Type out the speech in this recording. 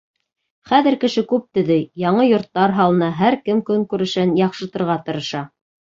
— Хәҙер кеше күп төҙөй, яңы йорттар һалына, һәр кем көнкүрешен яҡшыртырға тырыша.